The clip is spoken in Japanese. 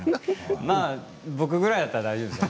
僕ぐらいだったら大丈夫ですよ。